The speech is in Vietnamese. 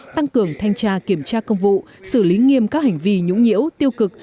tăng cường thanh tra kiểm tra công vụ xử lý nghiêm các hành vi nhũng nhiễu tiêu cực